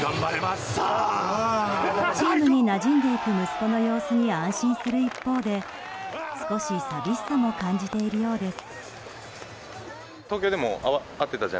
チームになじんでいく息子の様子に安心する一方で少し寂しさも感じているようです。